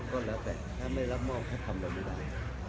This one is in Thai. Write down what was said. ภาพให้มาเจอกับพักเล็กก็ไม่ทำ